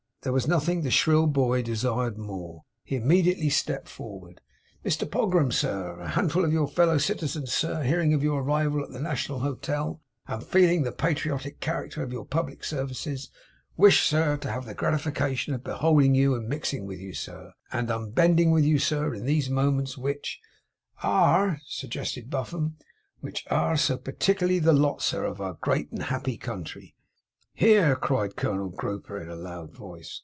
As there was nothing the shrill boy desired more, he immediately stepped forward. 'Mr Pogram! Sir! A handful of your fellow citizens, sir, hearing of your arrival at the National Hotel, and feeling the patriotic character of your public services, wish, sir, to have the gratification of beholding you, and mixing with you, sir; and unbending with you, sir, in those moments which ' 'Air,' suggested Buffum. 'Which air so peculiarly the lot, sir, of our great and happy country.' 'Hear!' cried Colonel Grouper, in a loud voice.